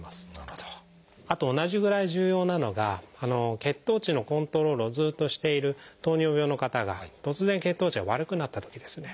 あと同じぐらい重要なのが血糖値のコントロールをずっとしている糖尿病の方が突然血糖値が悪くなったときですね。